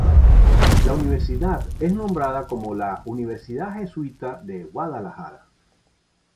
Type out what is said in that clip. La universidad es nombrada como la Universidad Jesuita de Guadalajara.